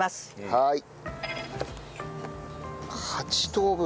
はい。